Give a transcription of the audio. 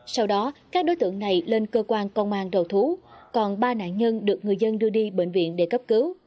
sau đó các đối tượng này lên cơ quan công an đầu thú còn ba nạn nhân được người dân đưa đi bệnh viện để cấp cứu